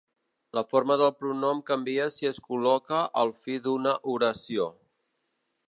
La forma del pronom canvia si es col·loca al fi d'una oració.